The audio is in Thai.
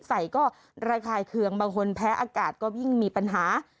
ใส่ก็ระคายเคืองบางคนแพ้อากาศก็ยิ่งมีปัญหา